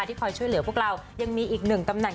คอยช่วยเหลือพวกเรายังมีอีกหนึ่งตำแหน